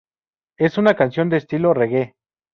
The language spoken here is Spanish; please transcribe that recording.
Es una canción de estilo reggae.